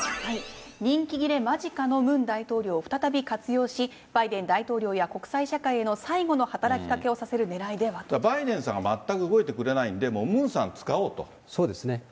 任期切れ間近のムン大統領を再び活用し、バイデン大統領や国際社会への最後の働きかけをさせるねらいではバイデンさんが全く動いてくそうですね、